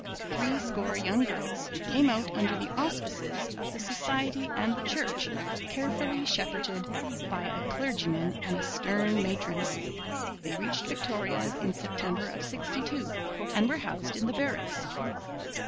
Threescore young girls came out under the auspices of the society and the Church, carefully shepherded by a clergyman and a stern matron. They reached Victoria in September of '62 and were housed in the barracks.